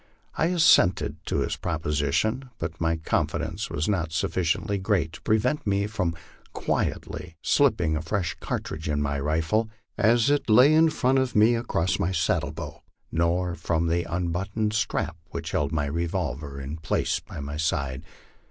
I assented to his proposition, but my confidence was not sufficiently great to prevent me from quietly slipping a fresh cartridge in my rifle, as it lay in front of me across my saddle bow, nor from unbuttoning the strap which held my revolver in place by my side.